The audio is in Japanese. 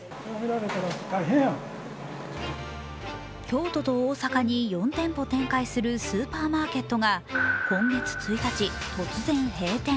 京都と大阪に４店舗展開するスーパーマーケットが今月１日、突然閉店。